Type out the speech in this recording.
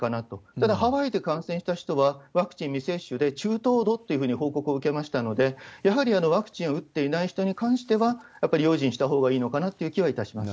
ただハワイで感染した人は、ワクチン未接種で中等度っていうふうに報告を受けましたので、やはりワクチンを打っていない人に関しては、やっぱり用心したほうがいいのかなって気はいたします。